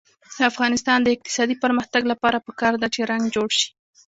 د افغانستان د اقتصادي پرمختګ لپاره پکار ده چې رنګ جوړ شي.